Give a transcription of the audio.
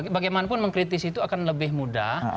bagaimanapun mengkritisi itu akan lebih mudah